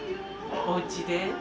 おうちで？